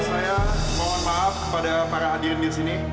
saya mohon maaf kepada para adien di sini